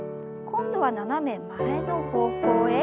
今度は斜め前の方向へ。